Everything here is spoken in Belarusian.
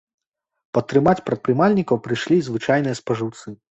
Падтрымаць прадпрымальнікаў прыйшлі і звычайныя спажыўцы.